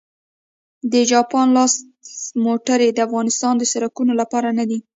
د جاپان لاس موټرې د افغانستان د سړکونو لپاره نه دي